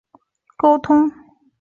向来都是信件沟通